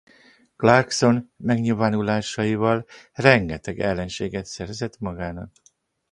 Clarkson megnyilvánulásaival rengeteg ellenséget szerzett magának.